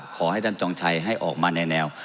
ขอให้ท่านจองชัยให้ออกมาในแนว